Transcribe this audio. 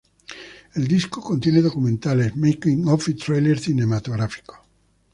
El disco contiene documentales, making of y trailer cinematográfico.